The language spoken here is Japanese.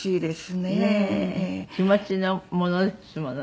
気持ちのものですものね。